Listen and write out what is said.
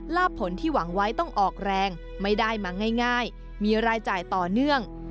ผลที่หวังไว้ต้องออกแรงไม่ได้มาง่ายมีรายจ่ายต่อเนื่อง